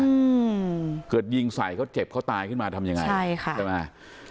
อืมเกิดยิงใส่เขาเจ็บเขาตายขึ้นมาทำยังไงใช่ค่ะใช่ไหม